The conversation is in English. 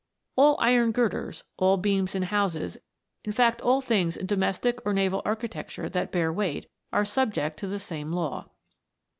All iron girders, all beams in houses in fact all things in domestic or naval architecture that bear weight are subject to the same law.